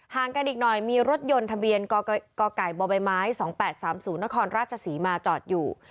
ห่างกันอีกหน่อยมีรถยนต์ทะเบียนกกบม๒๘๓๐นรศมาจอดอยู่